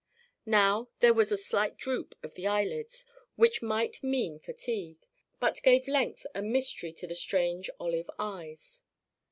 Now there was a slight droop of the eyelids which might mean fatigue, but gave length and mystery to the strange olive eyes.